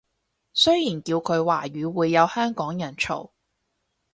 雖然叫佢華語會有香港人嘈